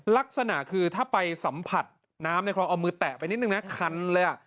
ลักษณะคือถ้าไปสัมผัสน้ำในคลองเอามือแตะไปนิดนึงนะคันเลยอ่ะ